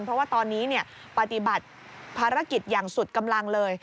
เพราะว่าตอนนี้ปฏิบัติภารกิจอย่างสุดกำลังเลย